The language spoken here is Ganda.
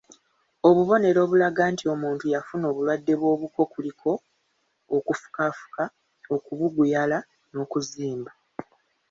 Obubonero obulaga nti omuntu yafuna obulwadde bw'obuko kuliko; okufukaafuka, okubuguyala n'okuzimba.